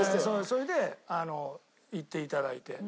それで行っていただいて。